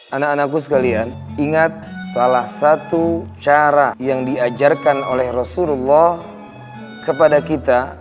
anak anakku sekalian ingat salah satu cara yang diajarkan oleh rasulullah kepada kita